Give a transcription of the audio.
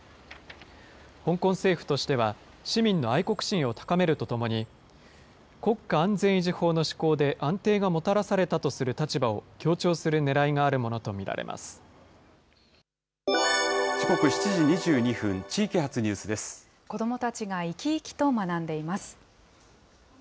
香港政府としては市民の愛国心を高めるとともに、国家安全維持法の施行で安定がもたらされたとする立場を強調する時刻、７時２２分、地域発ニ子どもたちが生き生きと学んでいます。